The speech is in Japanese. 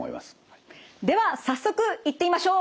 では早速いってみましょう！